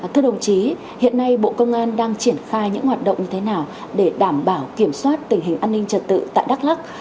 thưa đồng chí hiện nay bộ công an đang triển khai những hoạt động như thế nào để đảm bảo kiểm soát tình hình an ninh trật tự tại đắk lắc